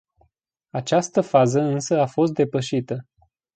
Această fază însă a fost depășită.